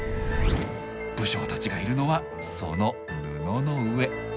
武将たちがいるのはその布の上。